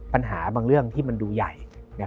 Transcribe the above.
ปัญหาบางเรื่องที่มันดูใหญ่